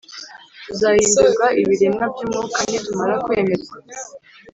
tuzahindurwa ibiremwa byumwuka nitumara kwemerwa